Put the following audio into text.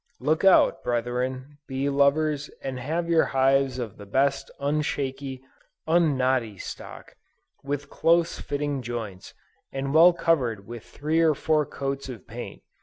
Look out, brethren, bee lovers, and have your hives of the best unshaky, unknotty stock, with close fitting joints, and well covered with three or four coats of paint.